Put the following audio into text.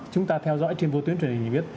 chúng ta theo dõi trên vô tuyến truyền hình